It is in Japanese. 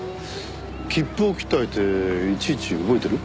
切符を切った相手いちいち覚えてる？